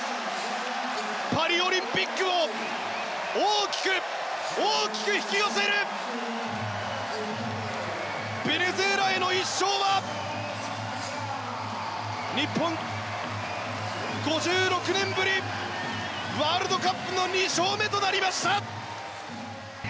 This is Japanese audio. パリオリンピックを大きく大きく引き寄せるベネズエラへの１勝は日本５６年ぶりＷ杯の２勝目となりました！